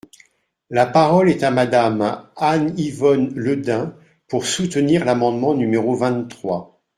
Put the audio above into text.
La parole est à Madame Anne-Yvonne Le Dain, pour soutenir l’amendement numéro vingt-trois.